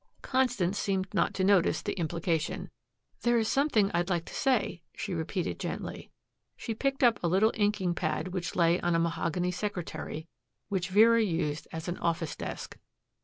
Constance seemed not to notice the implication. "There is something I'd like to say," she repeated gently. She picked up a little inking pad which lay on a mahogany secretary which Vera used as an office desk.